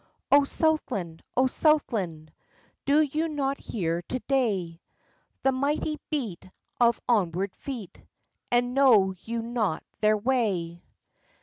O Southland! O Southland! Do you not hear to day The mighty beat of onward feet, And know you not their way?